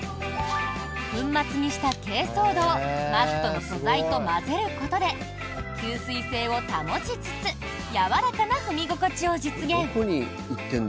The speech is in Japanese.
粉末にした珪藻土をマットの素材と混ぜることで吸水性を保ちつつやわらかな踏み心地を実現。